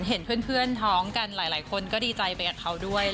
เห็นเพื่อนท้องกันหลายคนก็ดีใจไปกับเขาด้วย